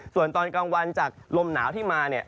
ส่วนตอนกลางวันจากลมหนาวที่มาเนี่ย